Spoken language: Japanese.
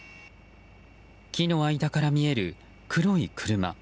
木の間から見える黒い車。